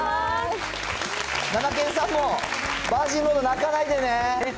ななけんさんも、バージンロード、泣かないでね！